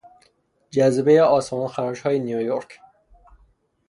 جذبهی آسمانخراشهای نیویورک